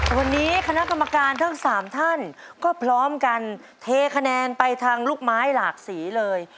วันนี้คณะกรรมการทั้ง๓ท่านก็พร้อมกันเทคะแนนไปทางลูกไม้หลากสีเลย